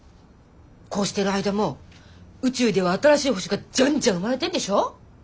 こうしてる間も宇宙では新しい星がじゃんじゃん生まれてんでしょ？